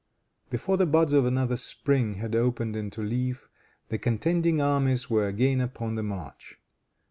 Before the buds of another spring had opened into leaf, the contending armies were again upon the march.